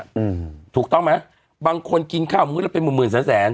อืมถูกต้องไหมบางคนกินข้าวมื้อละเป็นหมื่นหมื่นแสนแสน